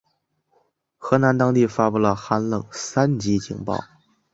海南当地发布了寒冷三级警报。